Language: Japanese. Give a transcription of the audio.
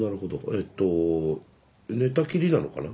えっと寝たきりなのかな？